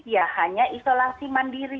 ya hanya isolasi mandiri